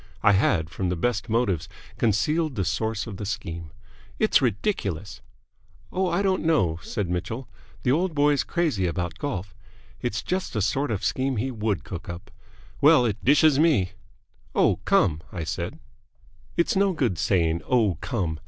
I had from the best motives concealed the source of the scheme. "It's ridiculous!" "Oh, I don't know," said Mitchell. "The old boy's crazy about golf. It's just the sort of scheme he would cook up. Well, it dishes me!" "Oh, come!" I said. "It's no good saying 'Oh, come!'